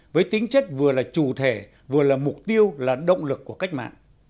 với tính chất vừa là chủ thể vừa là mục tiêu là động lực của cách mạng